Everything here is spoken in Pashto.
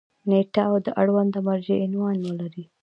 نیټه او د اړونده مرجع عنوان ولري.